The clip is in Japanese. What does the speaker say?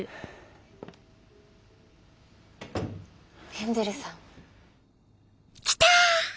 ヘンゼルさん。来た！